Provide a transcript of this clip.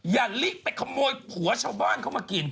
อย่าลิไปขโมยผัวชาวบ้านเขามากิน